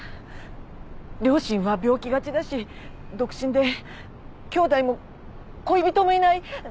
両親は病気がちだし独身で兄弟も恋人もいない。